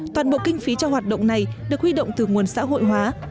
toàn bộ kinh phí cho hoạt động này được huy động từ nguồn xã hội hóa